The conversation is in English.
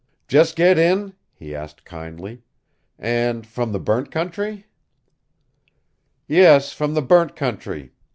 "Just get in?" he asked kindly. "And from the burnt country?" "Yes, from the burnt country.